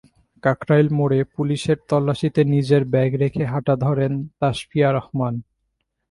কাকরাইল মোড়ে পুলিশের তল্লাশিতে নিজের ব্যাগ রেখে হাঁটা ধরেন তাশফিয়া রহমান।